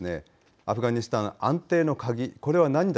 アフガニスタン安定の鍵